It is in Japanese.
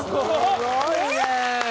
すごいね！